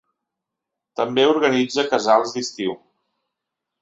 També organitza casals d'estiu.